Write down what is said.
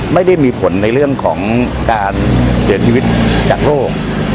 ไม่ได้มีผลในเรื่องของการเสียชีวิตจากโรค